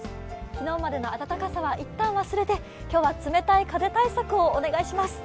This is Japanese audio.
昨日までの暖かさは一旦忘れて今日は冷たい風対策をお願いします。